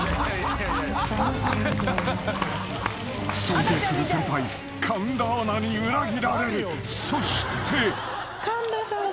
［尊敬する先輩神田アナに裏切られる］